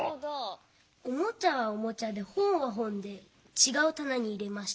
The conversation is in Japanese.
おもちゃはおもちゃでほんはほんでちがうたなにいれました。